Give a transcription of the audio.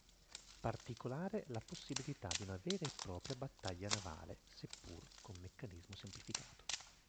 Particolare la possibilità di una vera e propria "battaglia navale", seppur con meccanismo semplificato.